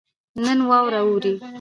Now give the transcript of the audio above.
نن واوره اوري